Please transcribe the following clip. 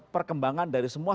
perkembangan dari semua